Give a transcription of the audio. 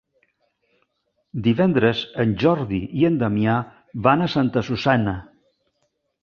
Divendres en Jordi i en Damià van a Santa Susanna.